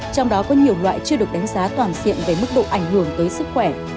trong đó có nhiều loại chưa được đánh giá toàn diện về mức độ ảnh hưởng tới sức khỏe